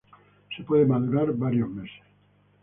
Se puede madurar varios meses.